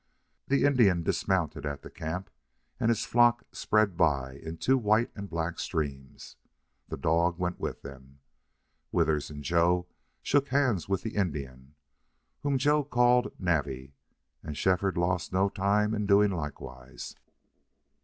The Indian dismounted at the camp, and his flock spread by in two white and black streams. The dog went with them. Withers and Joe shook hands with the Indian, whom Joe called "Navvy," and Shefford lost no time in doing likewise.